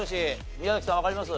宮崎さんわかります？